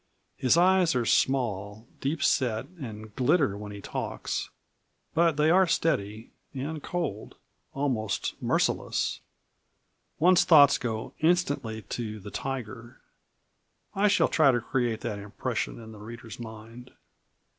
His eyes are small, deep set, and glitter when he talks. But they are steady, and cold almost merciless. One's thoughts go instantly to the tiger. I shall try to create that impression in the reader's mind."